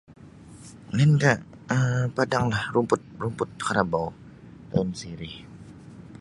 Lainkah um padanglah rumput rumput karabau onsi ri.